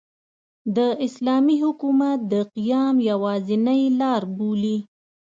د اسلامي حکومت د قیام یوازینۍ لاربولي.